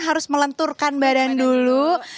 harus melenturkan badan dulu